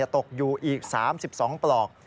ตกอยู่อีก๓๒ปลอก